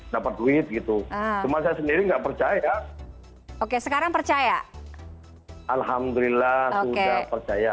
dapat duit gitu cuma saya sendiri nggak percaya oke sekarang percaya alhamdulillah sudah percaya